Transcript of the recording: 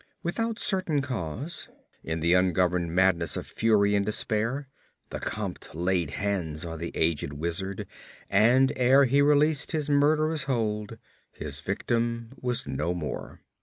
Without certain cause, in the ungoverned madness of fury and despair, the Comte laid hands on the aged wizard, and ere he released his murderous hold his victim was no more.